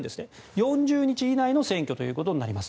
４０日以内の選挙ということになります。